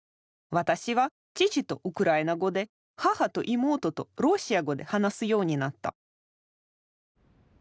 私は父とウクライナ語で母と妹とロシア語で話すようになった。